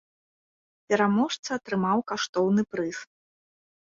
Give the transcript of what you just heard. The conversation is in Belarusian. Пераможца атрымаў каштоўны прыз.